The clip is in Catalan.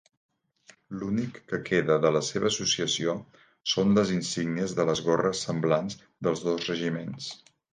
L'únic que queda de la seva associació són les insígnies de les gorres semblants dels dos regiments.